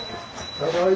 はい。